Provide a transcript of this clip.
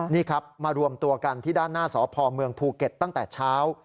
นี่ครับมารวมตัวกันที่ด้านหน้าสพเมืองภูเก็ตตั้งแต่เช้า